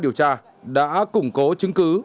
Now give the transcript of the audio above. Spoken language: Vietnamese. điều tra đã củng cố chứng cứ